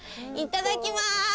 いただきます！